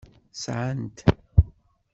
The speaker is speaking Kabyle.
Sɛan-t.